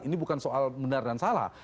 ini bukan soal benar dan salah